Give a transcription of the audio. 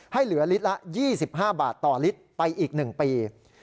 เหลือลิตรละ๒๕บาทต่อลิตรไปอีก๑ปี